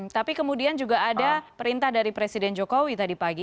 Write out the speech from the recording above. tapi kemudian juga ada perintah dari presiden jokowi tadi pagi